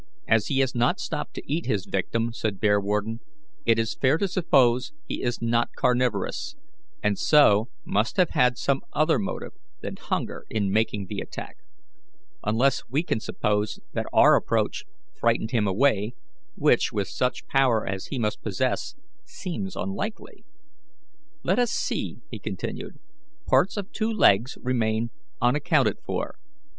"As he has not stopped to eat his victim," said Bearwarden, "it is fair to suppose he is not carnivorous, and so must have had some other motive than hunger in making the attack; unless we can suppose that our approach frightened him away, which, with such power as he must possess, seems unlikely. Let us see," he continued, "parts of two legs remain unaccounted for.